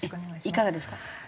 いかがですか？